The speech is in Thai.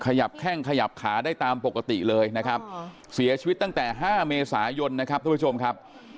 ขยับแข้งขยับขาได้ตามปกติเลยนะครับเสียชีวิตตั้งแต่๕เมษายนนะครับทุกผู้ชมครับ